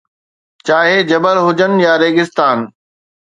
چاهي جبل هجن يا ريگستان